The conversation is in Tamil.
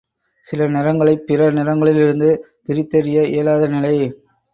சில நிறங்களைப் பிற நிறங்களிலிருந்து பிரித்தறிய இயலாத நிலை.